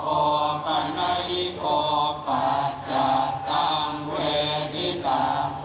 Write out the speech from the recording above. โอปนัยโอปัชจัตตังเวทิตัง